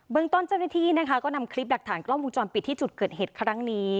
เมืองต้นเจ้าหน้าที่นะคะก็นำคลิปหลักฐานกล้องวงจรปิดที่จุดเกิดเหตุครั้งนี้